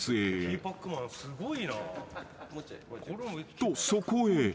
［とそこへ］